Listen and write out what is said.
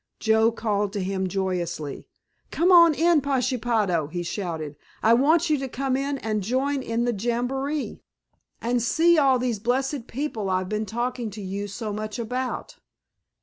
Joe called to him joyously. "Come on in here, Pashepaho," he shouted, "I want you to come in and join in the jamboree, and see all these blessed people I've been talking to you so much about."